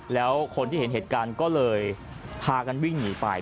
แล้วคนที่เห็นเหตุการณ์ก็เลยพากันวิ่งหนีไป